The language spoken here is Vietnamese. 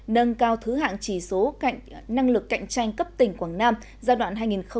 nâng cao thứ hạng chỉ số năng lực cạnh tranh cấp tỉnh quảng nam giai đoạn hai nghìn hai mươi một hai nghìn hai mươi năm